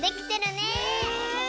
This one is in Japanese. ねえ！